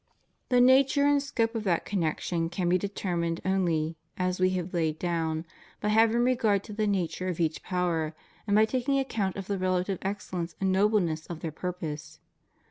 The nature and scope of that connection can be determined only, as We have laid down, by having regard to the nature of each power, and by taking account of the relative excellence and nobleness of their purpose.